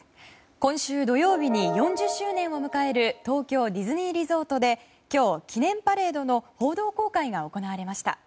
今週土曜日に４０周年を迎える東京ディズニーリゾートで今日、記念パレードの報道公開が行われました。